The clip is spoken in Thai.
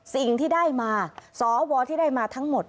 สิ่งที่ได้มาสวที่ได้มาทั้งหมด